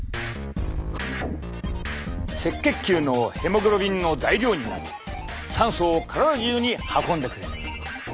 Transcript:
赤血球のヘモグロビンの材料になり酸素を体中に運んでくれる。